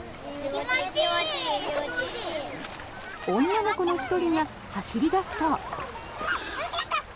女の子の１人が走り出すと。